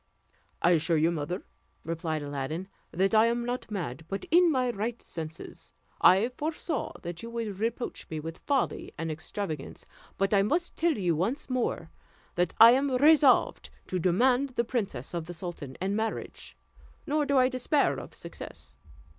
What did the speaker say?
"I assure you, mother," replied Aladdin, "that I am not mad, but in my right senses. I foresaw that you would reproach me with folly and extravagance; but I must tell you once more, that I am resolved to demand the princess of the sultan in marriage; nor do I despair of success.